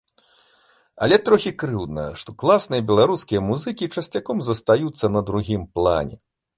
Але трохі крыўдна, што класныя беларускія музыкі часцяком застаюцца на другім плане.